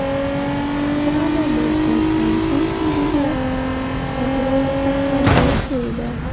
دا له نږدې پنځوس میلیونه خُمرو څخه جوړه شوې ده